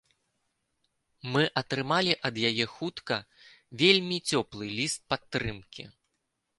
Мы атрымалі ад яе хутка вельмі цёплы ліст падтрымкі.